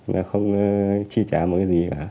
nó không chi trả một cái gì cả